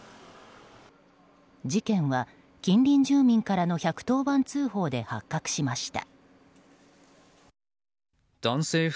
事件は近隣住民からの１１０番通報で発覚しました。